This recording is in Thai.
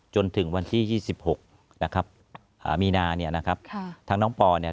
จนถึงวันที่ยี่สิบหกนะครับอ่ามีนาเนี้ยนะครับค่ะทางน้องปอเนี้ย